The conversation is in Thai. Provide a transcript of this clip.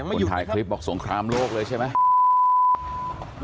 คนถ่ายคลิปบอกสงครามโลกเลยใช่ไหม